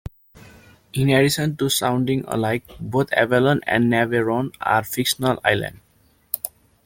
In addition to sounding alike, both Avalon and Navarone are fictional islands.